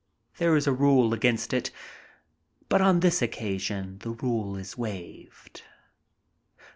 There is a rule against it, but on this occasion the rule is waived.